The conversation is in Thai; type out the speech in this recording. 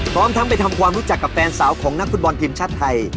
พร้อมทั้งไปทำความรู้จักกับแฟนสาวของนักฟุตบอลทีมชาติไทย